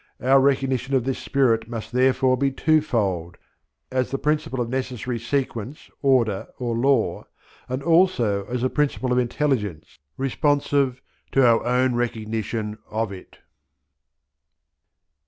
Our recognition of this Spirit must therefore be twofold, as the principle of necessary sequence, order or Law, and also as the principle of Intelligence, responsive to our own recognition of it.